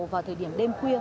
vào thời điểm đêm khuya